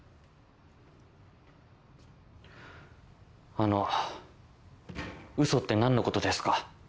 あの嘘って何のことですか？